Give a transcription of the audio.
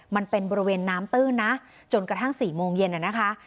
มันเป็นบริเวณน้ำตื้นนะจนกระทั่ง๔โมงเย็นนะคะ